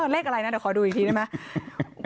เลขอะไรน่ะคอดูอีกทีได้มั้ย